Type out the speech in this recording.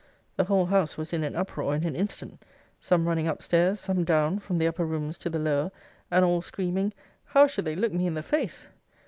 'The whole house was in an uproar in an instant; some running up stairs, some down, from the upper rooms to the lower; and all screaming, How should they look me in the face!